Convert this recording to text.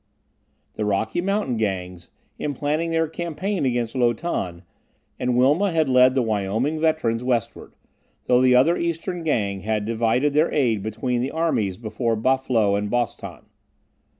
The Rocky Mountain Gangs, in planning their campaign against Lo Tan, had appealed to the east for help, and Wilma had led the Wyoming veterans westward, though the other eastern Gang had divided their aid between the armies before Bah Flo and Bos Tan.